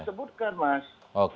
kita sebutkan mas